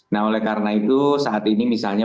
nah oleh karena itu saat ini misalnya